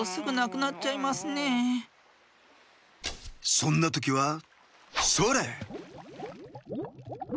そんなときはそれ！